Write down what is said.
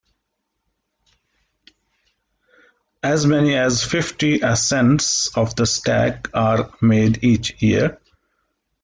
As many as fifty ascents of the stack are made each year.